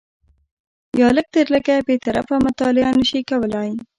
یا لږ تر لږه بې طرفه مطالعه نه شي کولای